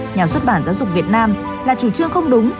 nhà xuất bản giáo dục việt nam là chủ trương không đúng